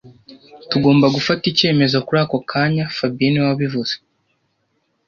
Tugomba gufata icyemezo kuri ako kanya fabien niwe wabivuze